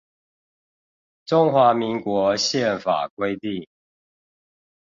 中華民國憲法規定